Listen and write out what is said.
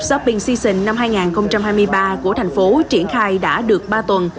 shopping season năm hai nghìn hai mươi ba của tp hcm triển khai đã được ba tuần